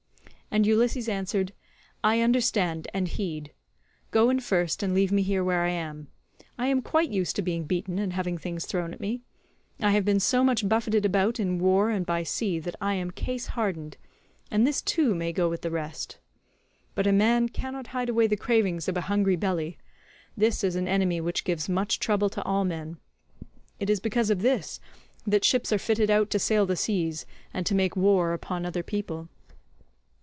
And Ulysses answered, "I understand and heed. Go in first and leave me here where I am. I am quite used to being beaten and having things thrown at me. I have been so much buffeted about in war and by sea that I am case hardened, and this too may go with the rest. But a man cannot hide away the cravings of a hungry belly; this is an enemy which gives much trouble to all men; it is because of this that ships are fitted out to sail the seas, and to make war upon other people."